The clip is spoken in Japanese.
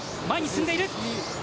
前に進んでいる！